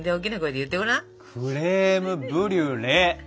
クレームブリュレ！